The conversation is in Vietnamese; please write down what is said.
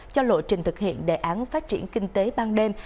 cho lộ trình thực hiện đề án phát triển kinh tế ban đêm